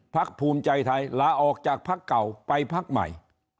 พรรคภูมิใจไทยละออกจากพรรคเก่าไปพรรคใหม่